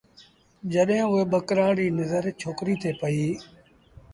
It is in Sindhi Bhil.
جڏهيݩ اُئي ٻڪرآڙ ري نزرڇوڪريٚ تي پئيٚ ۔